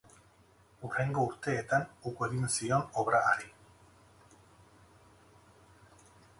Hurrengo urteetan uko egin zion obra hari.